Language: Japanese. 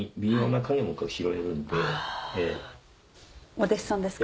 お弟子さんですか？